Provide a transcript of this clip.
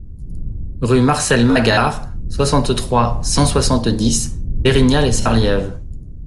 Rue Marcel Magard, soixante-trois, cent soixante-dix Pérignat-lès-Sarliève